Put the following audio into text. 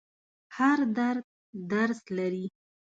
هر درد درس لري.